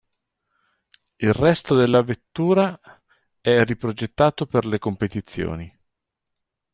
Il resto della vettura è riprogettato per le competizioni.